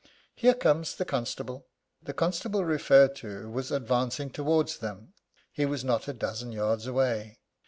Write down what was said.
Here comes the constable." The constable referred to was advancing towards them he was not a dozen yards away.